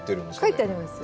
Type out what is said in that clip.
書いてありますよね。